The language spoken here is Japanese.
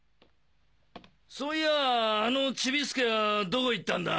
そういやああのチビスケはどこ行ったんだ？